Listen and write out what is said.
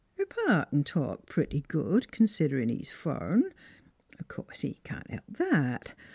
Her pa c'n talk pretty good, considerin' he's fur'n. Course he can't help that!